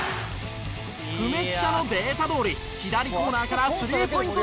久米記者のデータどおり左コーナーから３ポイント